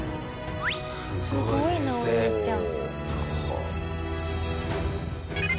すごいなお兄ちゃん。